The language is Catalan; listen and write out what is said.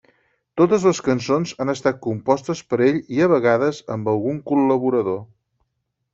Totes les cançons han estat compostes per ell i a vegades amb algun col·laborador.